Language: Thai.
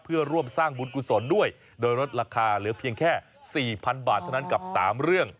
เพื่อร่วมสร้างบุญกุศลด้วยโดยลดราคาเหลือเพียงแค่๔๐๐๐บาทเท่านั้นกับ๓เรื่อง